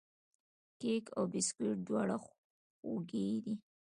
کیک او بسکوټ دواړه خوږې دي.